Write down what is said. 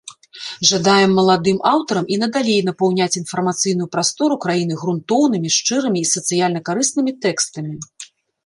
Жадаем маладым аўтарам і надалей напаўняць інфармацыйную прастору краіны грунтоўнымі, шчырымі і сацыяльна-карыснымі тэкстамі!